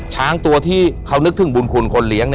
ช้างตัวที่เขานึกถึงบุญคุณคนเลี้ยง